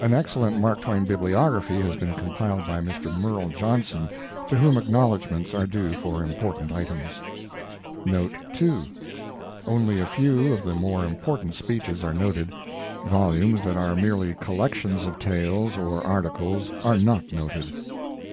An excellent Mark Twain bibliography has been compiled by Mr. Merle Johnson, to whom acknowledgments are due for important items. Note 2. Only a few of the more important speeches are noted. Volumes that are merely collections of tales or articles are not noted.